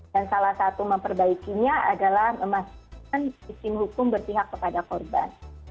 dan salah satu memperbaikinya adalah memastikan izin hukum berpihak kepada korban